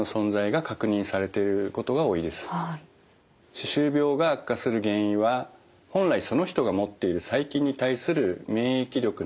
歯周病が悪化する原因は本来その人が持っている細菌に対する免疫力など複雑に絡み合ってます。